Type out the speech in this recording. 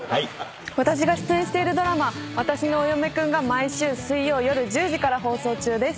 私が出演しているドラマ『わたしのお嫁くん』が毎週水曜夜１０時から放送中です。